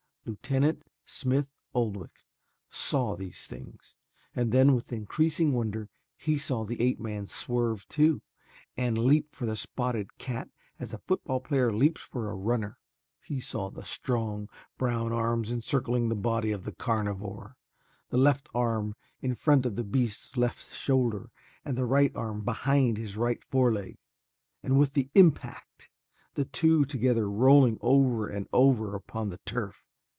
Lieutenant Smith Oldwick saw these things and then with increasing wonder he saw the ape man swerve, too, and leap for the spotted cat as a football player leaps for a runner. He saw the strong, brown arms encircling the body of the carnivore, the left arm in front of the beast's left shoulder and the right arm behind his right foreleg, and with the impact the two together rolling over and over upon the turf.